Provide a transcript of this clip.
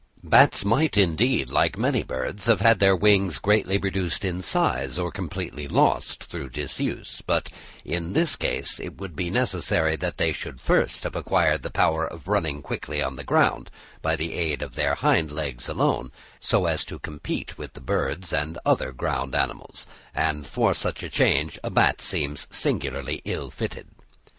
Bats, might, indeed, like many birds, have had their wings greatly reduced in size, or completely lost, through disuse; but in this case it would be necessary that they should first have acquired the power of running quickly on the ground, by the aid of their hind legs alone, so as to compete with birds or other ground animals; and for such a change a bat seems singularly ill fitted.